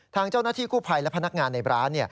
ทางเจ้าหน้าที่กู้ภัยและพนักงานในร้าน